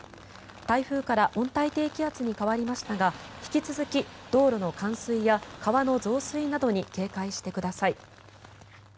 台風から温帯低気圧に変わりましたが引き続き、道路の冠水や川の増水などに警戒してください。